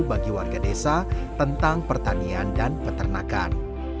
bagi warga desa tentang pertanian dan peternakan